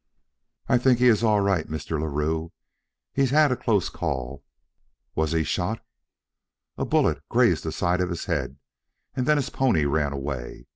"I think he is all right, Mr. Larue. He had a close call" "Was he shot?" "A bullet grazed the side of his head, and then his pony ran away.